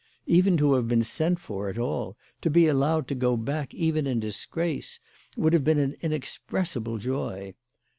Even to have been sent for at all, to be allowed to go back even in disgrace, would have been an inexpressible joy.